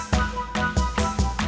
nanti gue salah